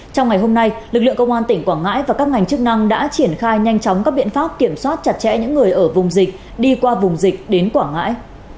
trong ngày hôm nay lực lượng công an tỉnh quảng ngãi và các ngành chức năng đã triển khai nhanh chóng các biện pháp kiểm soát chặt chẽ những người ở vùng dịch đi qua vùng dịch đến quảng ngãi